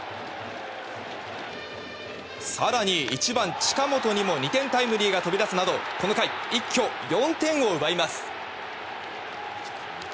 更に１番、近本にも２点タイムリーが飛び出すなどこの回一挙４点を奪います。